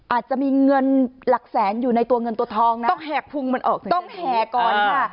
อาจจะมีเงินหลักแสนอยู่ในตัวเงินตัวทองนะต้องแหกพุงมันออกสิต้องแห่ก่อนค่ะ